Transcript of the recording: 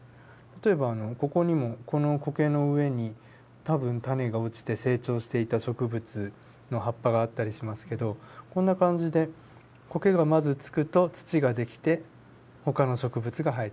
例えばここにもこのコケの上に多分種が落ちて成長していた植物の葉っぱがあったりしますけどこんな感じでコケがまずつくと土が出来てほかの植物が生えていく。